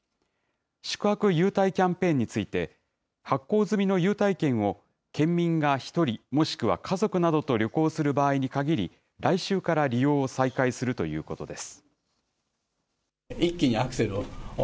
宿泊優待キャンペーンについて、発行済みの優待券を、県民が１人、もしくは家族などと旅行する場合にかぎり、来週から利用を再開するということです。